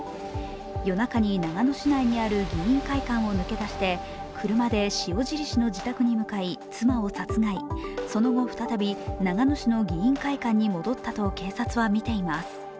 夜中に長野市内にある議員会館を抜け出して車で塩尻市の自宅に向かい妻を殺害、その後、再び長野市の議員会館に戻ったと警察はみています。